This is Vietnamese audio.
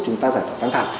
chúng ta giải tỏa căng thẳng